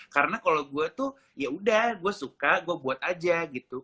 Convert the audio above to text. karena kalau gue tuh ya udah gue suka gue buat aja gitu